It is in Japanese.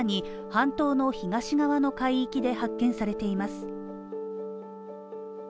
半島の東側の海域で発見されています